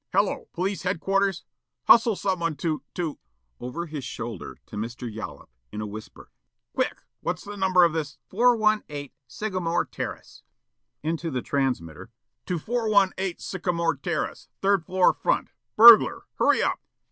"Hello! Police headquarters? ... Hustle someone to to (over his shoulder to Mr. Yollop, in a whisper,) quick! What's the number of this, " "418 Sagamore Terrace." Into the transmitter: "To 418 Sagamore Terrace, third floor front. Burglar. Hurry up!"